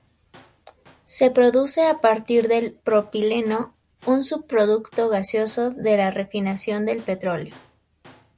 Se produce a partir del propileno, un subproducto gaseoso de la refinación del petróleo.